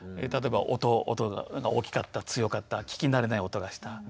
例えば音が大きかった強かった聞き慣れない音がした。